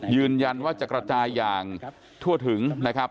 ยืนยันว่าจะกระจายอย่างทั่วถึงนะครับ